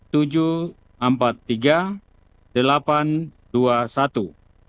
tujuh empat tiga delapan dua puluh satu